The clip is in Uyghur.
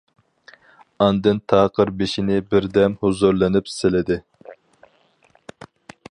ئاندىن تاقىر بېشىنى بىردەم ھۇزۇرلىنىپ سىلىدى.